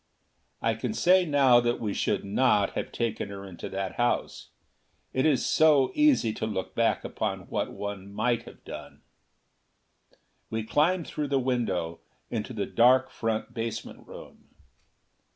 I can say now that we should not have taken her into that house. It is so easy to look back upon what one might have done! We climbed through the window, into the dark front basement room.